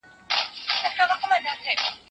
لارښود استاد : پوهنمل محمد وسيم حنيف